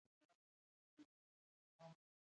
وریځ بیا پر اسمان خپره شوه او سپوږمۍ یې پټه کړه.